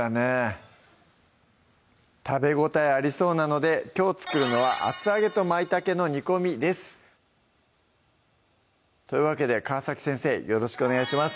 食べ応えありそうなのできょう作るのは「厚揚げと舞茸の煮込み」ですというわけで川先生よろしくお願いします